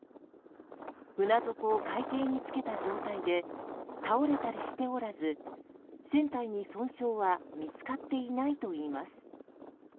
船底を海底につけた状態で倒れたりしておらず船体に損傷は見つかっていないといいます。